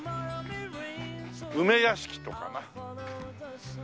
梅屋敷とかな。